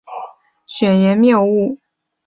只有可兼选言的情况才属肯定选言谬误。